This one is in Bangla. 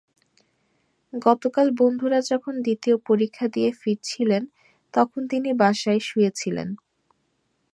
গতকাল বন্ধুরা যখন দ্বিতীয় পরীক্ষা দিয়ে ফিরছিলেন, তখন তিনি বাসায় শুয়েছিলেন।